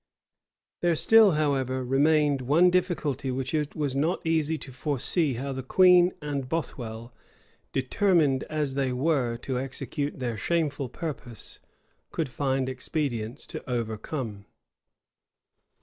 There still, however, remained one difficulty which it was not easy to foresee how the queen and Bothwell, determined as they were to execute their shameful purpose, could find expedients to overcome.